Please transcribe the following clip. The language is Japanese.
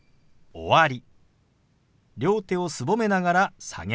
「終わり」。